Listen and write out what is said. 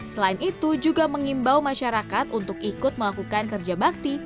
selain itu juga mengimbau masyarakat untuk ikut melakukan kerja bakti